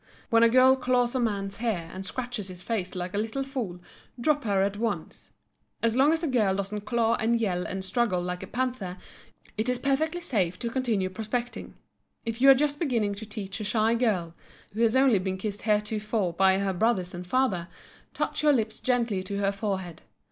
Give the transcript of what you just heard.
When a girl claws a man's hair and scratches his face like a little fool drop her at once. As long as the girl doesn't claw and yell and struggle like a panther, it is perfectly safe to continue prospecting. If you are just beginning to teach a shy girl, who has only been kissed heretofore by her brothers and father, touch your lips gently to her forehead.